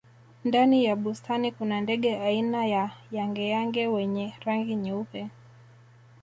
ndani ya bustani kuna ndege aina ya yangeyange wenye rangi nyeupe